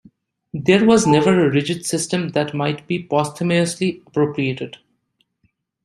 There was never a rigid system that might be posthumously appropriated.